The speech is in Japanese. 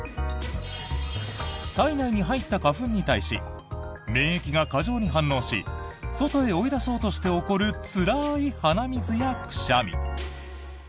体内に入った花粉に対し免疫が過剰に反応し外へ追い出そうして起こるつらい鼻水やくしゃみ。